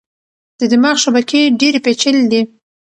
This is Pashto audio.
د دماغ شبکې ډېرې پېچلې دي.